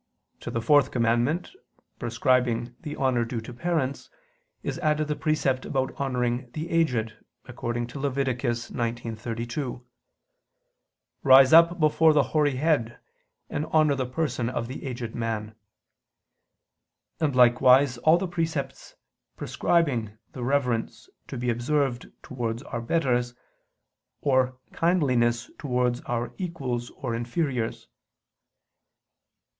To the fourth commandment prescribing the honor due to parents, is added the precept about honoring the aged, according to Lev. 19:32: "Rise up before the hoary head, and honor the person of the aged man"; and likewise all the precepts prescribing the reverence to be observed towards our betters, or kindliness towards our equals or inferiors.